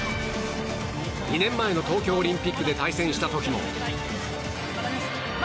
２年前の東京オリンピックで対戦した時も。